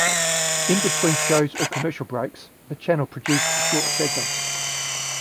In between shows or commercial breaks, the channel produced short segments.